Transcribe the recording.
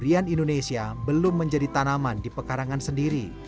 durian indonesia belum menjadi tanaman di pekarangan sendiri